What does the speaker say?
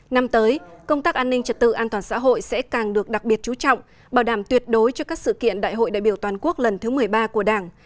năm tới công tác an ninh trật tự an toàn xã hội sẽ càng được đặc biệt chú trọng bảo đảm tuyệt đối cho các sự kiện đại hội đại biểu toàn quốc lần thứ một mươi ba của đảng